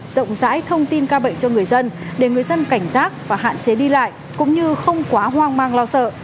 rộng rãi thông tin ca bệnh cho người dân để người dân cảnh giác và hạn chế đi lại cũng như không quá hoang mang lo sợ